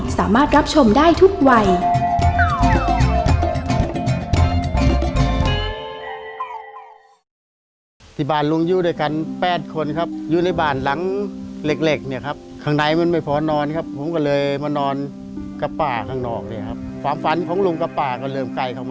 สามารถรับชมได้ทุกวัย